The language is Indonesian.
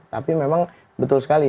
tapi memang betul sekali